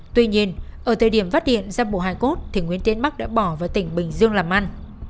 tuy nhiên ở thời điểm vắt điện ra bộ hải cốt thì nguyễn tiến bắc đã bỏ vào tỉnh bình dương làm ăn